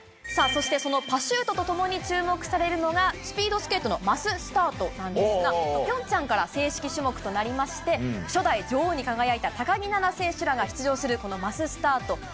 そして、そのパシュートとともに注目されるのが、スピードスケートのマススタートなんですが、ピョンチャンから正式種目となりまして、初代女王に輝いた高木菜那選手らが出場するこのマススタート。